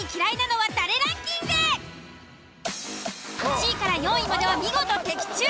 １位４位までは見事的中！